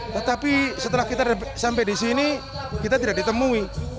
tetapi setelah kita sampai di sini kita tidak ditemui